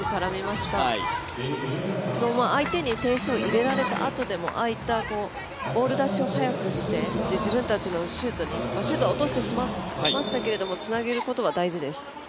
しかも、相手に点数を入れられたあとでも、ボール出しを早くして自分たちのシュートに、落としてしまいましたけどつなげることは大事です。